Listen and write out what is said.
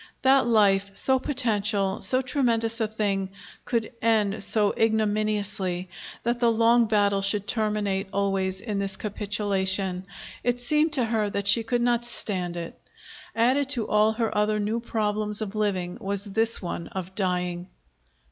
That life, so potential, so tremendous a thing, could end so ignominiously, that the long battle should terminate always in this capitulation it seemed to her that she could not stand it. Added to all her other new problems of living was this one of dying.